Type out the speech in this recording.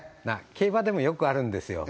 競馬でもよくあるんですよ